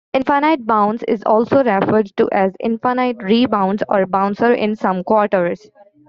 Infinite Bounce is also referred to as Infinite Rebounds or Bouncer in some quarters.